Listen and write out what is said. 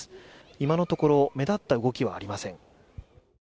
今のところ目立った動きはありません。